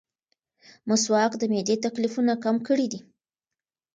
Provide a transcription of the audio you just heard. مسواک د معدې تکلیفونه کم کړي دي.